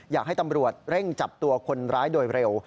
อยากให้ตำรวจเร่งจับตัวคนร้ายโดยเร็ว